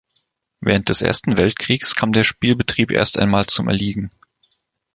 Während des Ersten Weltkriegs kam der Spielbetrieb erst einmal zum Erliegen.